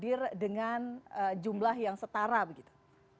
hadir dengan jumlah yang setara begitu